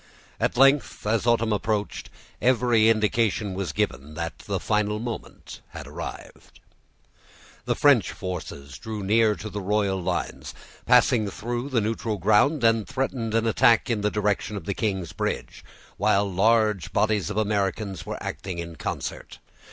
At length, as autumn approached, every indication was given that the final moment had arrived. The French forces drew near to the royal lines, passing through the neutral ground, and threatened an attack in the direction of King's Bridge, while large bodies of Americans were acting in concert.